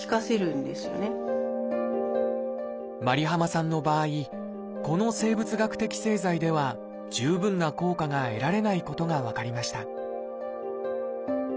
ｍａｒｉｈａｍａさんの場合この生物学的製剤では十分な効果が得られないことが分かりました